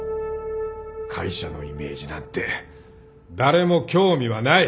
会社のイメージなんて誰も興味はない！